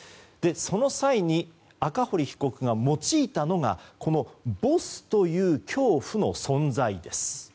その際に、赤堀被告が用いたのがボスという恐怖の存在です。